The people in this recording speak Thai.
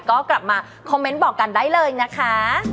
ก็กลับมาคอมเมนต์บอกกันได้เลยนะคะ